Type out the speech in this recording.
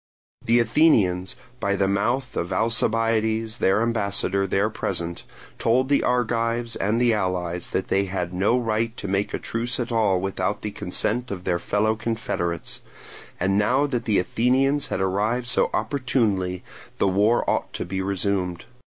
The Athenians, by the mouth of Alcibiades their ambassador there present, told the Argives and the allies that they had no right to make a truce at all without the consent of their fellow confederates, and now that the Athenians had arrived so opportunely the war ought to be resumed.